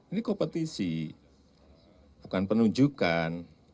ini kompetisi bukan penunjukan